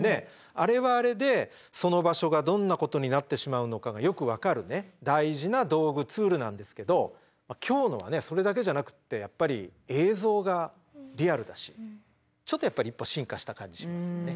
あれはあれでその場所がどんなことになってしまうのかがよく分かるね大事な道具ツールなんですけど今日のはねそれだけじゃなくってやっぱり映像がリアルだしちょっとやっぱり一歩進化した感じしますよね。